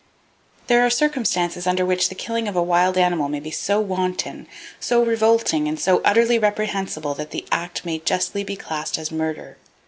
There are circumstances under which the killing of a wild animal may be so wanton, so revolting and so utterly reprehensible that the act may justly be classed as murder.